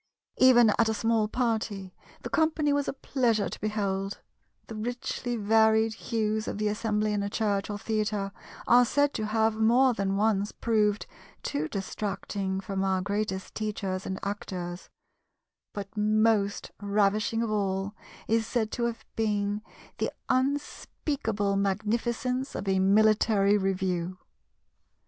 Even at a small party, the company was a pleasure to behold; the richly varied hues of the assembly in a church or theatre are said to have more than once proved too distracting from our greatest teachers and actors; but most ravishing of all is said to have been the unspeakable magnificence of a military review.